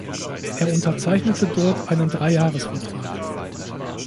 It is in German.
Er unterzeichnete dort einen Dreijahresvertrag.